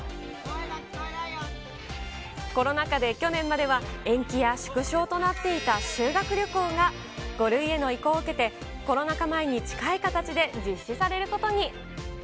コロナ禍で去年までは延期や縮小となっていた修学旅行が、５類への移行を受けて、コロナ禍前に近い形で実施されることに。